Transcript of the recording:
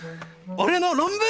俺の論文！